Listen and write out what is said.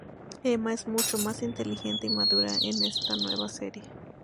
Emma es mucho más inteligente y madura en esta nueva serie.